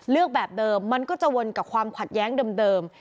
แบบเดิมมันก็จะวนกับความขัดแย้งเดิม